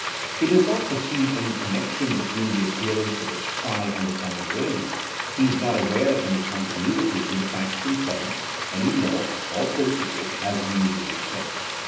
* He does not perceive any connection between the appearance of the sky and the com ing rain; he is not aware of any continuity in the facts themselves — ^any law or principle, as we usually say.